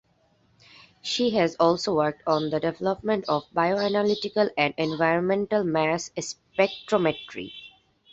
She has also worked on the development of bioanalytical and environmental mass spectrometry.